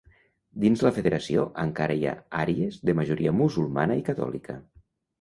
Dins la Federació, encara hi ha àrees de majoria musulmana i catòlica.